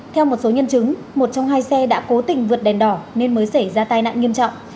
theo một số nhân chứng một trong hai xe đã cố tình vượt đèn đỏ nên mới xảy ra tai nạn nghiêm trọng